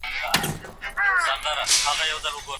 ایا کورني سوداګر جلغوزي ساتي؟